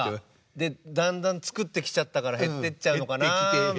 でだんだんつくってきちゃったから減ってっちゃうのかなぁみたいな。